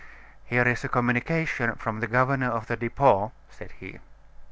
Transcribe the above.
"Here is a communication from the governor of the Depot," said he.